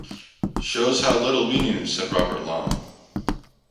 Shows how little we knew, said Robert Lamm.